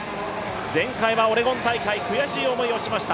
前回はオレゴン大会、悔しい思いをしました。